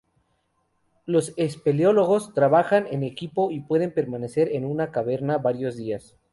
Los espeleólogos trabajan en equipo y pueden permanecer en una caverna varios días.